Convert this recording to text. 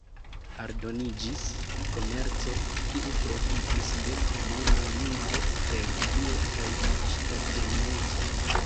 Aldoniĝis komerco, kiu profitis de komuna lingvo, religio kaj ŝtataneco.